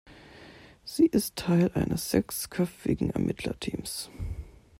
Sie ist Teil eines sechsköpfigen Ermittlerteams.